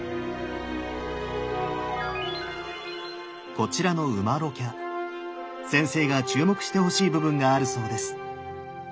こちらの烏摩勒伽先生が注目してほしい部分があるそうです。